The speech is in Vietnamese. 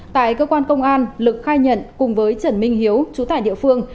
tại cơ quan công an lực khai nhận cùng với trần minh hiếu chú tải địa phương